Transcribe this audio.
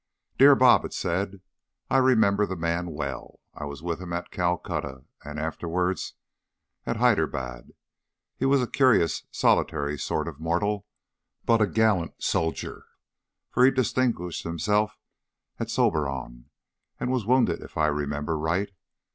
"DEAR BOB," it said, "I remember the man well. I was with him at Calcutta, and afterwards at Hyderabad. He was a curious, solitary sort of mortal; but a gallant soldier enough, for he distinguished himself at Sobraon, and was wounded, if I remember right.